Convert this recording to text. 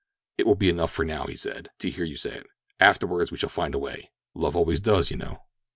"It will be enough for now," he said, "to hear you say it. Afterward we shall find a way; love always does, you know."